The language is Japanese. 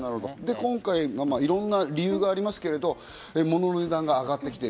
今回いろんな理由がありますけどモノの値段が上がってきている。